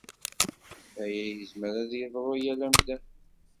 Aya yezmer ad yeḍru i yal amdan.